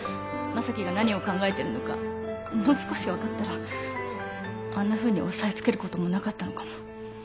正樹が何を考えてるのかもう少し分かったらあんなふうに抑え付けることもなかったのかも。